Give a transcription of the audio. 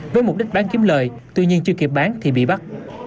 với mục đích bán kiếm lời tuy nhiên chưa kịp bán thì bị bắt